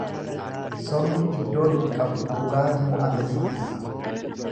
Sobni iddoo hin qabu, dhugaatu mo'ata jechuudha.